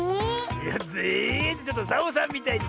「ぜ」ってちょっとサボさんみたい！